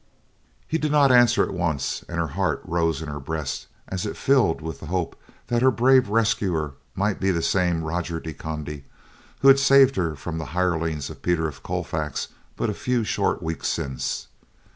He did not answer at once and her heart rose in her breast as it filled with the hope that her brave rescuer might be the same Roger de Conde who had saved her from the hirelings of Peter of Colfax but a few short weeks since.